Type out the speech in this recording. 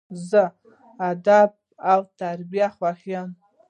زه ادب او تربیه خوښوم.